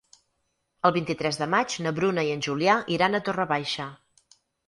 El vint-i-tres de maig na Bruna i en Julià iran a Torre Baixa.